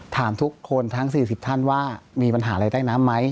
ถามทุกคนทั้ง๔๐ท่านว่ามีปัญหาอะไรใต้น้ำไหม